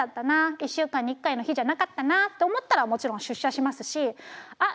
１週間に１回の日じゃなかったな」と思ったらもちろん出社しますしあっ